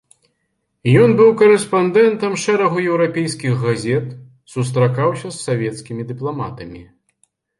Ён быў карэспандэнтам шэрагу еўрапейскіх газет, сустракаўся з савецкімі дыпламатамі.